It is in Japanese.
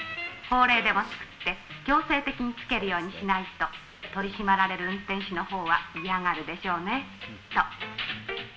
法令でも作って、強制的につけるようにしないと、取り締まられる運転手のほうは嫌がるでしょうね、きっと。